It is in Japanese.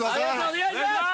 お願いします！